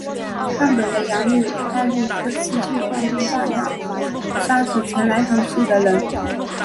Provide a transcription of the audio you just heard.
但本的养女艾莉克斯计划用炸药杀死前来偷袭的人。